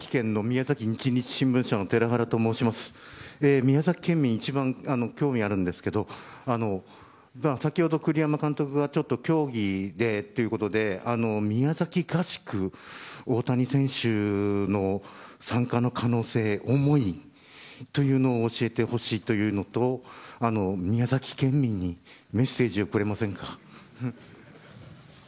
宮崎県民一番興味があるんですが先ほど栗山監督がちょっと、協議でということで宮崎合宿への大谷選手の参加の可能性、思いを教えてほしいのと宮崎県民にメッセージをくれませんか。